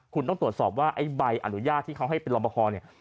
คุณต้องตรวจสอบว่าบัยอนุญาตร์ที่เค้าให้เป็นลอบอปภ